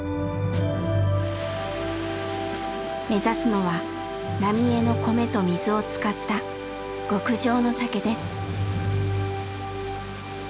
目指すのは浪江の米と水を使った極上の酒です。